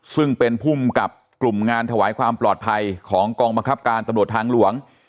ซึ่งเป็นภูมิกับกลุ่มงานถวายความปลอดภัยของกองบังคับการตำรวจทางหลวง